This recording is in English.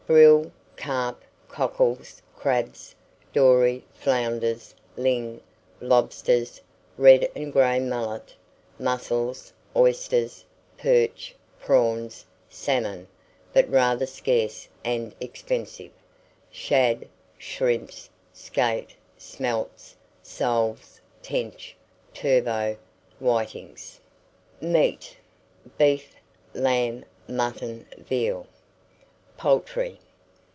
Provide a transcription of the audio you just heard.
Brill, carp, cockles, crabs, dory, flounders, ling, lobsters, red and gray mullet, mussels, oysters, perch, prawns, salmon (but rather scarce and expensive), shad, shrimps, skate, smelts, soles, tench, turbot, whitings. MEAT. Beef, lamb, mutton, veal. POULTRY.